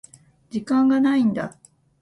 時間がないんだ。